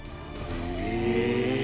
「へえ」